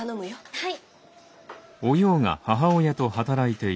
はい。